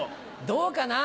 どうかな。